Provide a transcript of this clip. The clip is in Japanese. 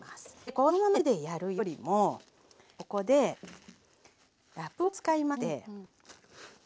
このままね手でやるよりもここでラップを使いまして。